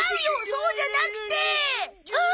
そうじゃなくて！ああ！！